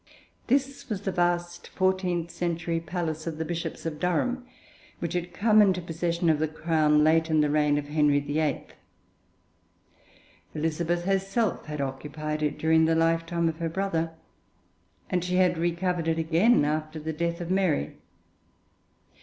This was the vast fourteenth century palace of the Bishops of Durham, which had come into possession of the Crown late in the reign of Henry VIII. Elizabeth herself had occupied it during the lifetime of her brother, and she had recovered it again after the death of Mary.